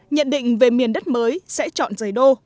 nhận định về miền đất mới sẽ chọn rời đô